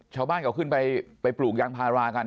ชาวบ้านเขาขึ้นไปปลูกยางพารากัน